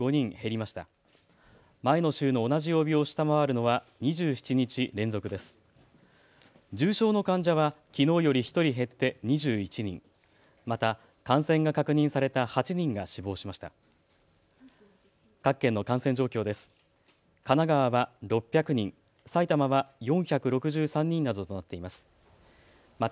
また感染が確認された８人が死亡しました。